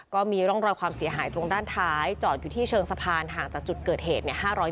ก็มีร่องรอยความเสียหายตรงด้านท้ายจอดอยู่ที่เชิงสะพานห่างจากจุดเกิดเหตุ